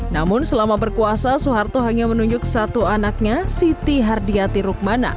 namun selama berkuasa soeharto hanya menunjuk satu anaknya siti hardiati rukmana